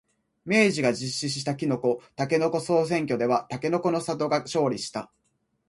明治が実施したきのこ、たけのこ総選挙ではたけのこの里が勝利した。